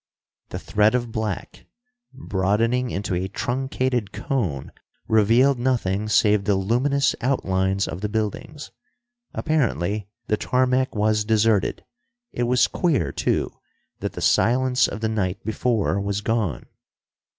The thread of black, broadening into a truncated cone, revealed nothing save the luminous outlines of the buildings. Apparently the tarmac was deserted. It was queer, too, that the silence of the night before was gone.